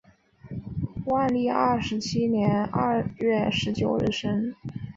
万历二十七年二月十九日生。